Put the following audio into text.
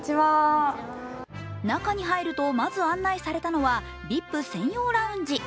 中に入るとまず案内されたのはＶＩＰ専用ラウンジ。